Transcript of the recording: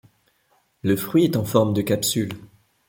Le fruit est en forme de capsule.